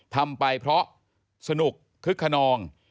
ทำไปเพราะสนุกคึกขนอง